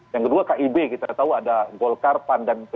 yang kedua kib kita tahu ada golkar pan dan p tiga